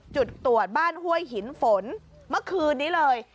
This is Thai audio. จุดตรวจบ้านห้วยหินฝนเมื่อคืนนี้เลย